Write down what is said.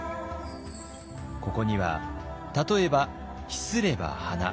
ここには例えば「秘すれば花」